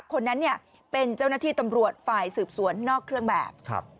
คนนั้นเป็นเจ้าหน้าที่ตำรวจฝ่ายสืบสวนนอกเครื่องแบบ